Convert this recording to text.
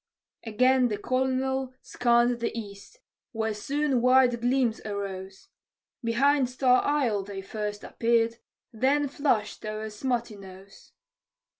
Again the colonel scanned the east, where soon white gleams arose: Behind Star Isle they first appeared, then flashed o'er Smuttynose.